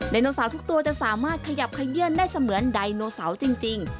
โนเสาร์ทุกตัวจะสามารถขยับขยื่นได้เสมือนไดโนเสาร์จริง